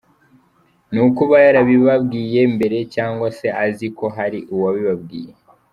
Ni ukuba yarabibabwiye mbere, cyangwa se azi ko hari uwabibabwiye.